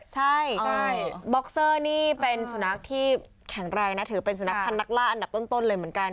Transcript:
ใช่บ็อกเซอร์นี่เป็นสุนัขที่แข็งแรงนะถือเป็นสุนัขพันธ์นักล่าอันดับต้นเลยเหมือนกัน